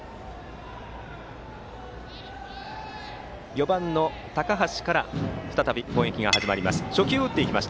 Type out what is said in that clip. ４番の高橋から再び攻撃が始まります。